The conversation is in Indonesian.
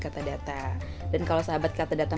kata data dan kalau sahabat kata datang